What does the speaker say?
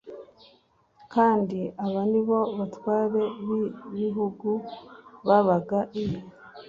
kandi aba ni bo batware b igihugu babaga i